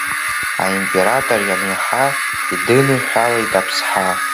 Аимператор ианиаҳа, идиныҳәалеит Аԥсҳа…